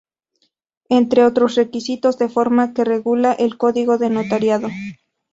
Entre otros requisitos de forma que regula el código de notariado.